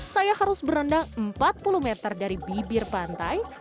saya harus berendang empat puluh meter dari bibir pantai